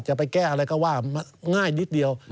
จะไปแก้อะไรก็ว่าง่ายนิดเดียว